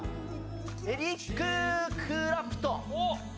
エリック・クラプトン。